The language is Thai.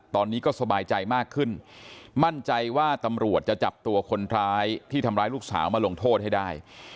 ตอนนี้ก็สบายใจมากขึ้นมั่นใจว่าตำรวจจะจับตัวคนร้ายที่ทำร้ายลูกสาวมาลงโทษให้ได้